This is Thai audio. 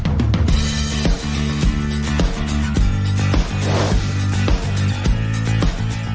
มันยังแตระอยู่ข้างบน